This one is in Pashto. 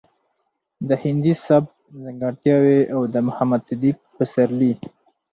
د هندي سبک ځانګړټياوې او د محمد صديق پسرلي